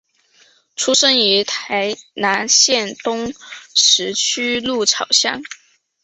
出生于台南县东石区鹿草乡。